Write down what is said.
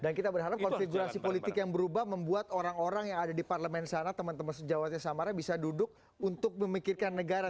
dan kita berharap konfigurasi politik yang berubah membuat orang orang yang ada di parlemen sana teman teman sejawatnya samaranya bisa duduk untuk memikirkan negara